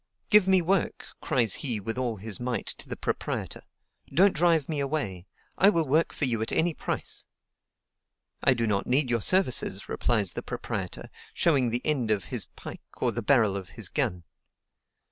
"Give me work!" cries he with all his might to the proprietor: "don't drive me away, I will work for you at any price." "I do not need your services," replies the proprietor, showing the end of his pike or the barrel of his gun.